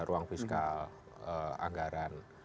ruang fiskal anggaran